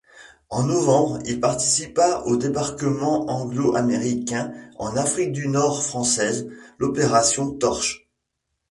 En novembre, il participa au débarquement anglo-américain en Afrique du Nord française, l'opération Torch.